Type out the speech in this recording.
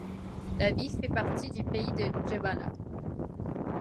La ville fait partie du pays de Jebala.